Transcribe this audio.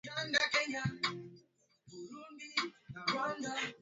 Wanyama wenye afya wanaweza kupata ugonjwa wanapochanganywa na walioathirika